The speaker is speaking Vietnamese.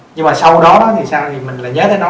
nhưng mà sau đó thì mình lại nhớ tới nó